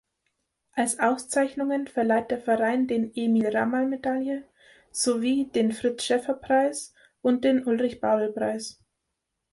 Als Auszeichnungen verleiht der Verein den "Emil-Ramann-Medaille" sowie den "Fritz-Scheffer-Preis" und den "Ulrich-Babel-Preis".